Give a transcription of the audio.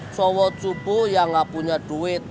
cowok cupu yang gak punya duit